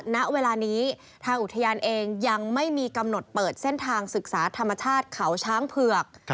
ณเวลานี้ทางอุทยานเองยังไม่มีกำหนดเปิดเส้นทางศึกษาธรรมชาติเขาช้างเผือก